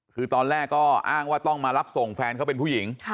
คือตอนแรกก็อ้างว่าต้องมารับส่งแฟนเขาเป็นผู้หญิง